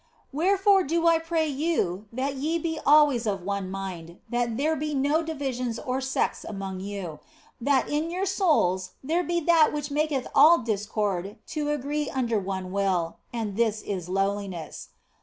Wherefore do I pray you that ye be always of one mind, that there be no divisions or sects amongst you, but that in your souls there be that which maketh all discord to agree under one will ; and this is lowliness.